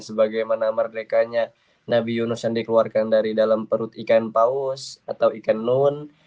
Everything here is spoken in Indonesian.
sebagaimana merdekanya nabi yunus yang dikeluarkan dari dalam perut ikan paus atau ikan nun